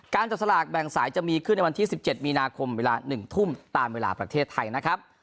การจับสลากแบ่งสายจะมีขึ้นในวันที่๑๗มีนาคมเวลา๑ทุ่มตามเวลาประเทศไทยนะครับ